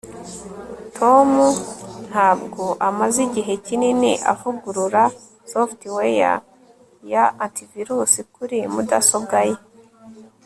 tom ntabwo amaze igihe kinini avugurura software ya antivirus kuri mudasobwa ye